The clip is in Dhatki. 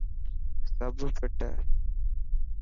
سب فٽ هي.